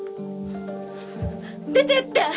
出てって！